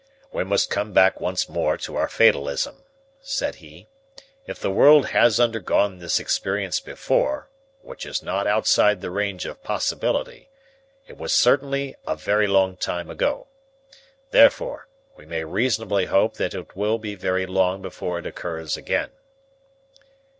"We must come back once more to our fatalism," said he. "If the world has undergone this experience before, which is not outside the range of possibility, it was certainly a very long time ago. Therefore, we may reasonably hope that it will be very long before it occurs again."